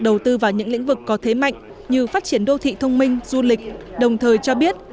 đầu tư vào những lĩnh vực có thế mạnh như phát triển đô thị thông minh du lịch đồng thời cho biết